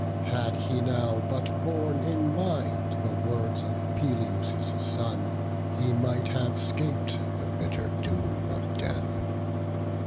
had he now But borne in mind the words of Peleus' son, He might have 'scap'd the bitter doom of death.